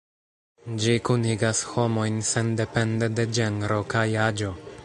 Ĝi kunigas homojn sendepende de ĝenro kaj aĝo.